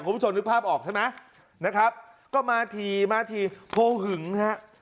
คุณผู้ชมนึกภาพออกใช่ไหมนะครับก็มาทีมาทีโพหึงฮะ